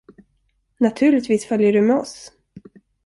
Naturligtvis följer du med oss.